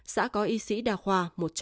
xã có y sĩ đa khoa một trăm linh